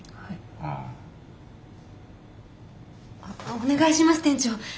お願いします店長。